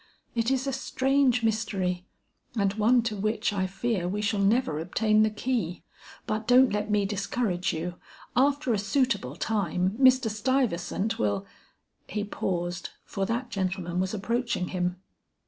It is a strange mystery, and one to which I fear we shall never obtain the key. But don't let me discourage you; after a suitable time Mr. Stuyvesant will " He paused, for that gentleman was approaching him.